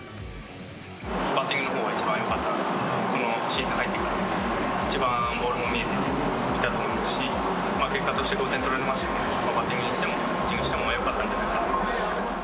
バッティングのほうは一番よかった、シーズン入ってから、一番ボールも見えていたと思うし、結果として５点取られましたけれども、バッティングとしてもピッチングとしてもよかったんで。